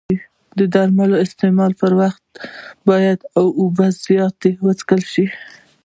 د درملو د استعمال پر وخت باید اوبه زیاتې وڅښل شي.